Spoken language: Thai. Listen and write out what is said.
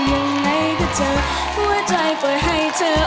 ยังไงก็เจอหัวใจปล่อยให้เธอ